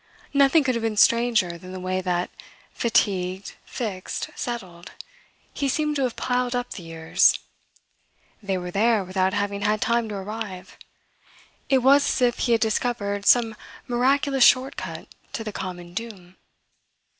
Nothing could have been stranger than the way that, fatigued, fixed, settled, he seemed to have piled up the years. They were there without having had time to arrive. It was as if he had discovered some miraculous short cut to the common doom.